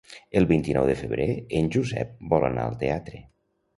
El vint-i-nou de febrer en Josep vol anar al teatre.